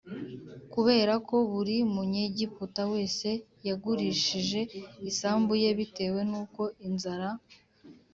kubera ko buri Munyegiputa wese yagurishije isambu ye bitewe n uko inzara